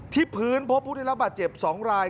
ที่พื้นพบพุทธิระบาดเจ็บ๒ราย